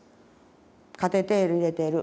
カテーテル入れてる。